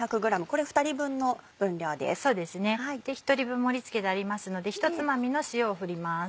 １人分盛り付けてありますので一つまみの塩を振ります。